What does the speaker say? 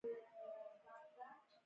هغه خپل عسکر ته اشاره وکړه او عسکر راغی